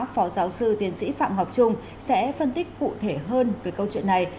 phó giáo sư tiến sĩ phạm ngọc trung sẽ phân tích cụ thể hơn về câu chuyện này